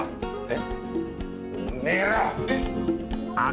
えっ？